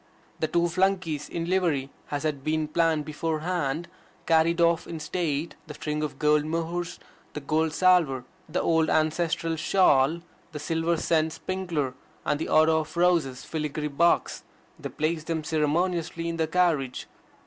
The two flunkeys in livery, as had been planned beforehand, carried off in state the string of gold mohurs, the gold salver, the old ancestral shawl, the silver scent sprinkler, and the otto of roses filigree box; they placed them ceremoniously in the carriage.